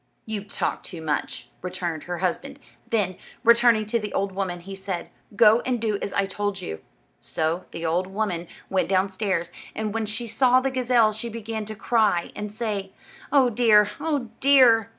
"You talk too much," returned her husband; then, turning to the old woman, he said, "Go and do as I told you." So the old woman went downstairs, and when she saw the gazelle, she began to cry, and say, "Oh, dear! oh, dear!"